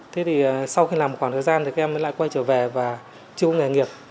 thế thì sau khi làm một khoảng thời gian thì các em lại quay trở về và chưa có nghề nghiệp